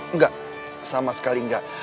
enggak sama sekali enggak